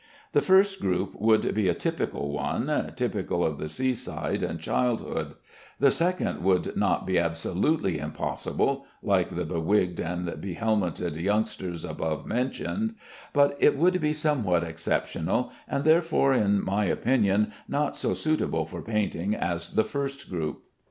The first group would be a typical one typical of the seaside and childhood; the second would not be absolutely impossible (like the bewigged and behelmeted youngsters above mentioned), but it would be somewhat exceptional, and therefore, in my opinion, not so suitable for painting as the first group.